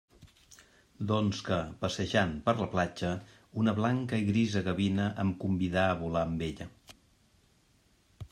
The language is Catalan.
Doncs que, passejant per la platja, una blanca i grisa gavina em convidà a volar amb ella.